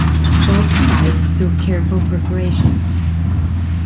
Both sides took careful preparations.